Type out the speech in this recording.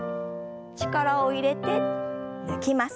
力を入れて抜きます。